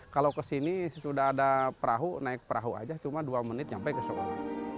kalau ke sini sudah ada perahu naik perahu aja cuma dua menit nyampe ke ciloma